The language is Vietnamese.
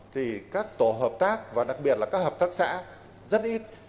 thì các tổ hợp tác và đặc biệt là các hợp tác xã rất ít